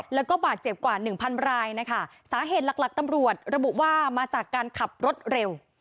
แล้วก็บาดเจ็บกว่าหนึ่งพันรายนะคะสาเหตุหลักหลักตำรวจระบุว่ามาจากการขับรถเร็ว